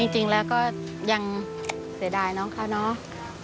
จริงแล้วก็ยังเสียดายน้องเขาเนาะ